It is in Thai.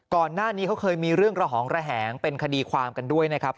ก่อนหน้านี้เขาเคยมีเรื่องระหองระแหงเป็นคดีความกันด้วยนะครับ